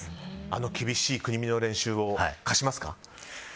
あの厳しい国見の練習を課しますか？